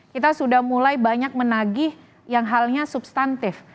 kita sudah mulai banyak menagih yang halnya substantif